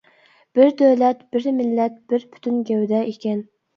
بىر دۆلەت، بىر مىللەت، بىر پۈتۈن گەۋدە ئىكەن.